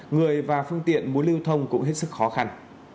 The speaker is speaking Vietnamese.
người và phương tiện muốn lưu thông cũng hết sức khó khăn